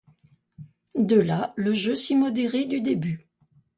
De là le jeu si modéré du début.